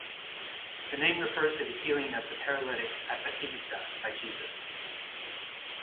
The name refers to the healing of the paralytic at Bethesda by Jesus.